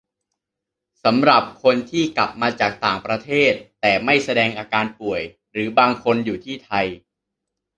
สำหรับคนที่กลับมาจากต่างประเทศ แต่ไม่แสดงอาการป่วย หรือบางคนอยู่ที่ไทย